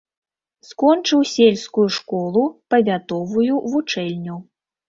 Скончыў сельскую школу, павятовую вучэльню.